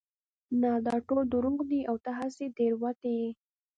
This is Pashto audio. نه دا ټول دروغ دي او ته هسې تېروتي يې